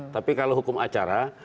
tapi kalau hukum acara